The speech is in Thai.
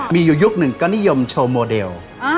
มีอยู่ยุคหนึ่งก็นิยมโชว์โมเดล